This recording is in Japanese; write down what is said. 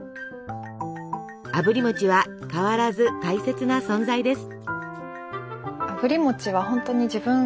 あぶり餅は変わらず大切な存在です。